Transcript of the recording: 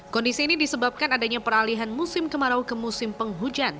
kondisi ini disebabkan adanya peralihan musim kemarau ke musim penghujan